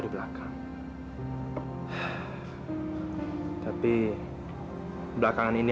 enggak bu ibu tenang aja